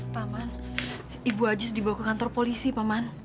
paman ibu ajis dibawa ke kantor polisi paman